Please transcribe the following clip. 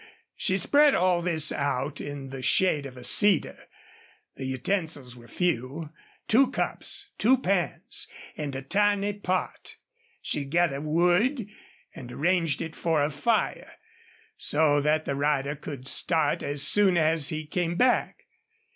She spread all this out in the shade of a cedar. The utensils were few two cups, two pans, and a tiny pot. She gathered wood, and arranged it for a fire, so that the rider could start as soon as he came back.